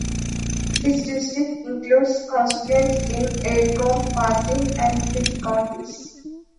His district includes constituents in Edgecombe, Martin, and Pitt counties.